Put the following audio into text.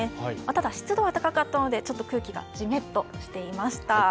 ただ湿度は高かったのでちょっと空気がジメっとしていました。